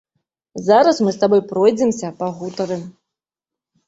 Зараз мы з табой пройдземся, пагутарым.